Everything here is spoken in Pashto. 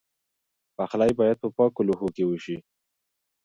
پخلی باید په پاکو لوښو کې وشي.